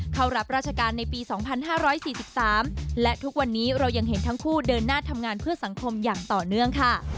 เข้ารับราชการในปี๒๕๔๓และทุกวันนี้เรายังเห็นทั้งคู่เดินหน้าทำงานเพื่อสังคมอย่างต่อเนื่องค่ะ